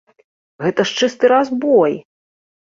Гэта ж чысты разбой!